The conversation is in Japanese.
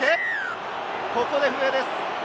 ここで笛です。